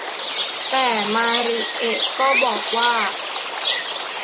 แต่มาริเอะก็บอกว่า